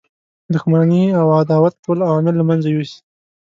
دښمنی او عداوت ټول عوامل له منځه یوسي.